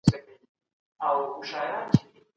آیا ستا ذوق ښکلی دی؟